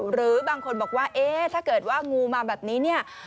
หรือบางคนบอกว่าเอ๊ะถ้าเกิดว่างูมาแบบนี้เนี่ย